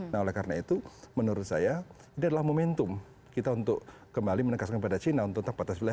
nah oleh karena itu menurut saya ini adalah momentum kita untuk kembali menegaskan pada china untuk tanpa batas wilayah